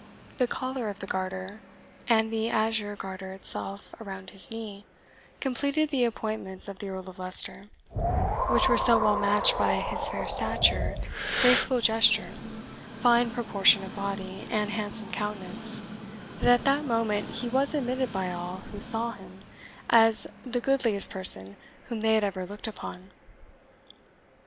The collar of the Garter, and the azure garter itself around his knee, completed the appointments of the Earl of Leicester; which were so well matched by his fair stature, graceful gesture, fine proportion of body, and handsome countenance, that at that moment he was admitted by all who saw him as the goodliest person whom they had ever looked upon.